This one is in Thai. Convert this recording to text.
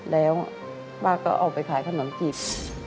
แล้วป้าก็ออกไปขายขนมจีบ